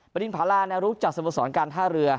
บริณภารานะรู้จักวิศวนศรการท่าเรือ